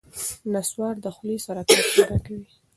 نسوار د خولې سرطان پیدا کوي.